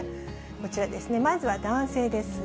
こちらですね、まずは男性です。